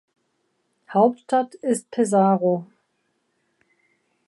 Hauptstadt ist Pesaro.